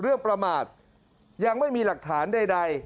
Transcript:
เรื่องประมาทยังไม่มีหลักฐานใด